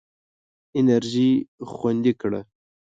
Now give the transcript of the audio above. انرژي خوندي کړه.